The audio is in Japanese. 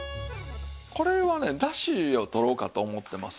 これはねだしを取ろうかと思ってます。